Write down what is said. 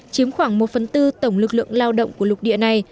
chiếm khoảng một bốn tổng lực lượng lao động của lục địa này